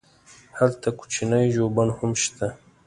هلته کوچنی ژوبڼ هم شته.